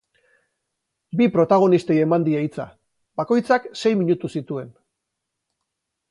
Bi protagonistei eman die hitza. Bakoitzak sei minutu zituen.